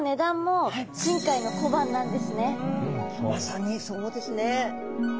え何かまさにそうですね。